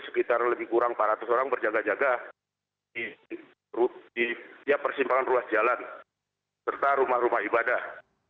sekitar lebih kurang empat ratus orang berjaga jaga di tiap persimpangan ruas jalan serta rumah rumah ibadah